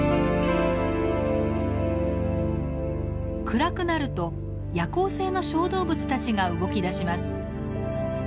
暗くなると夜行性の小動物たちが動きだします。